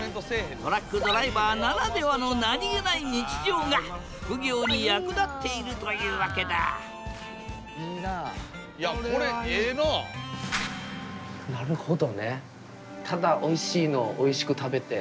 トラックドライバーならではの何気ない日常が副業に役立っているというわけだなるほどね。